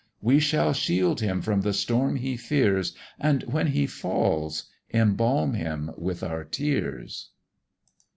we will shield him from the storm he fears, And when he falls, embalm him with our tears.